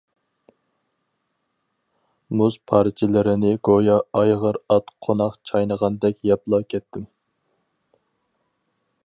مۇز پارچىلىرىنى گويا ئايغىر ئات قوناق چاينىغاندەك يەپلا كەتتىم.